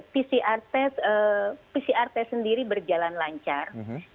pcr test berjalan lancar